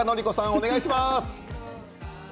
お願いします。